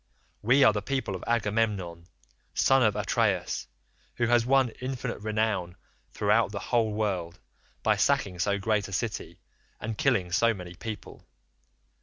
We are the people of Agamemnon, son of Atreus, who has won infinite renown throughout the whole world, by sacking so great a city and killing so many people.